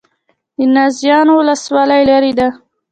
د نازیانو ولسوالۍ لیرې ده